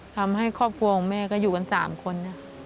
ทำให้ครอบครัวของแม่ก็อยู่กัน๓คน